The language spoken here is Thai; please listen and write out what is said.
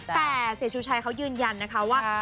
แต่เสียชูชัยเขายืนยันนะคะว่า